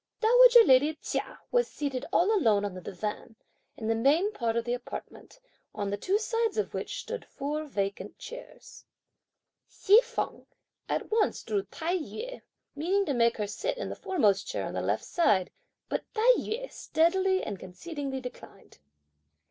Dowager lady Chia was seated all alone on the divan, in the main part of the apartment, on the two sides of which stood four vacant chairs. Hsi feng at once drew Tai yü, meaning to make her sit in the foremost chair on the left side, but Tai yü steadily and concedingly declined.